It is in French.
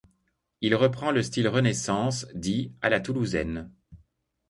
Il reprend le style Renaissance dit à la toulousaine.